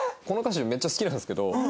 この歌詞めっちゃ好きなんですけど